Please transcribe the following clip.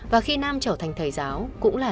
và khi nam trở thành thầy giáo cũng là